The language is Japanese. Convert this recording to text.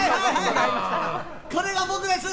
これが僕です！